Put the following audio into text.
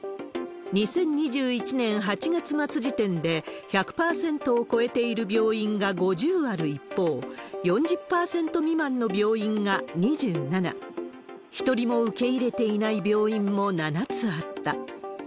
２０２１年８月末時点で、１００％を超えている病院が５０ある一方、４０％未満の病院が２７、１人も受け入れていない病院も７つあった。